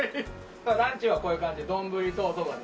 ランチはこういう感じで丼とお蕎麦で。